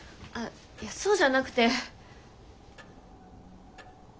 いやそうじゃなくて。